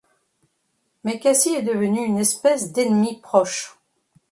Mais Cassie est devenue une espèce d’ennemie proche.